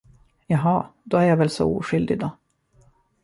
Jaha, då är jag väl så oskyldig då.